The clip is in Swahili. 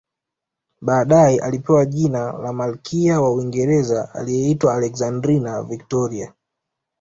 Baadae lilipewa jina la malkia wa Uingereza aliyeitwa Alexandrina Victoria